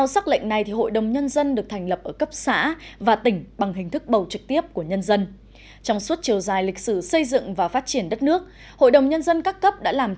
xin chào và hẹn gặp lại